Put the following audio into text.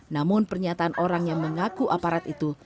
namun pernyataan orang yang mengaku aparat itu